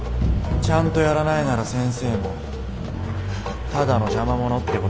ちゃんとやらないなら先生もただの「邪魔者」ってことに。